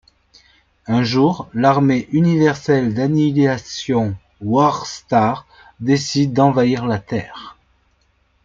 Un jour, l'Armée universelle d'annihilation Warstar décide d'envahir la Terre.